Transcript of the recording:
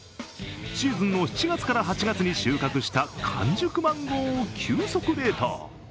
シーズンの７月から８月に収穫した完熟マンゴーを急速冷凍。